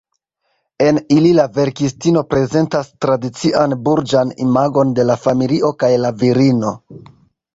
En ili la verkistino prezentas tradician burĝan imagon de la familio kaj la virino.